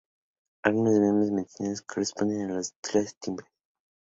Algunos de los miembros mencionados no corresponden a los de los timbres..